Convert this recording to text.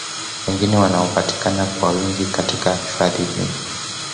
wengine wanaopatikana kwa wingi katika hifadhi hii